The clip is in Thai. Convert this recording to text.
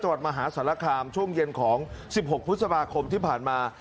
จังหวัดมหาสรรคามช่วงเย็นของ๑๖พฤษภาคมที่ผ่านมา